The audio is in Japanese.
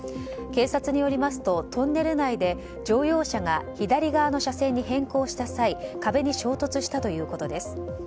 警察によりますとトンネル内で乗用車が左側の車線に変更した際壁に衝突したということです。